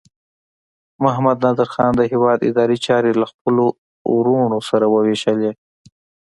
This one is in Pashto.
محمد نادر خان د هیواد اداري چارې له خپلو وروڼو سره وویشلې.